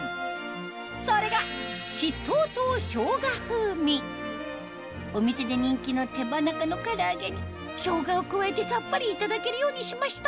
それがお店で人気の手羽中の唐揚げに生姜を加えてさっぱりいただけるようにしました